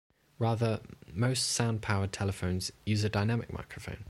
Rather, most sound-powered telephones use a dynamic microphone.